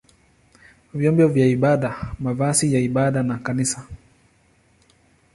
vyombo vya ibada, mavazi ya ibada na kanisa.